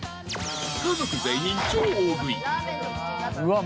家族全員、超大食い。